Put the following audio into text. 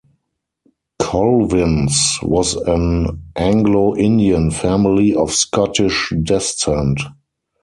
Colvin's was an Anglo-Indian family of Scottish descent.